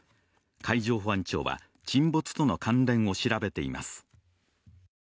海上保安庁は沈没との関連を調べています。